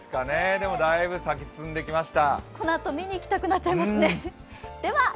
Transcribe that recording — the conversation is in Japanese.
でも、だいぶ咲き進んできました。